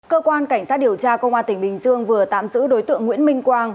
cơ quan cảnh sát điều tra công an tỉnh bình dương vừa tạm giữ đối tượng nguyễn minh quang